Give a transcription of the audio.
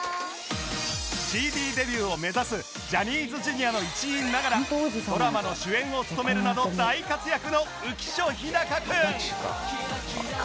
ＣＤ デビューを目指すジャニーズ Ｊｒ． の一員ながらドラマの主演を務めるなど大活躍の浮所飛貴君